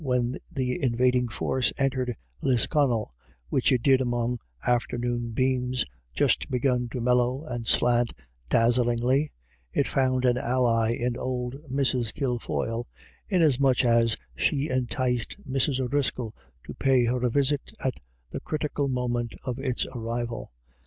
When the invading force entered Lisconnel, which it did among afternoon beams, just begun to mellow and slant dazzlingly, it found an ally in old Mrs. Kilfoyle, inasmuch as she enticed Mrs. O'Driscoll to pay her a visit at the critical moment of its arrival.